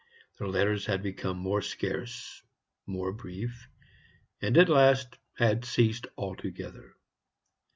Their letters had become more scarce, more brief, and at last had ceased altogether.